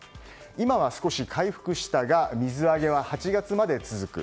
今は少し、回復したが水揚げは８月まで続く。